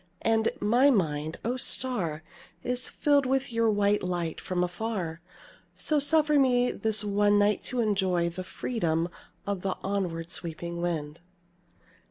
And my mind, O Star! is filled with your white light, from far, So suffer me this one night to enjoy The freedom of the onward sweeping wind.